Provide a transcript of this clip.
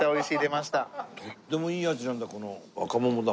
とってもいい味なんだよこの若桃が。